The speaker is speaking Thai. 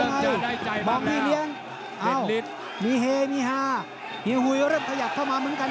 นี่ชักจะเริ่มได้ใจมากแล้วนะ